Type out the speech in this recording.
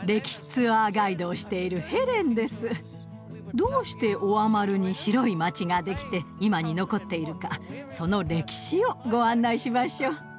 どうしてオアマルに白い街ができて今に残っているかその歴史をご案内しましょう。